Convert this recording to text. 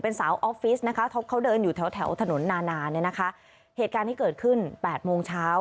เป็นสาวออฟฟิศเขาเดินอยู่แถวถนนนานานเหตุการณ์ที่เกิดขึ้น๘โมงเช้า